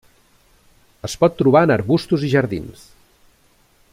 Es pot trobar en arbustos i jardins.